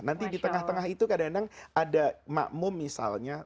nanti di tengah tengah itu kadang kadang ada makmum misalnya